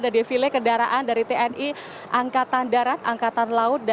tim liputan cnn indonesia